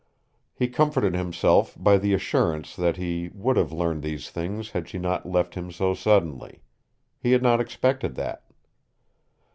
He comforted himself by the assurance that he would have learned these things had she not left him so suddenly. He had not expected that.